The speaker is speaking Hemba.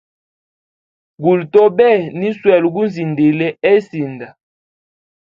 Guli tobe, niswele gunzindile he sinda.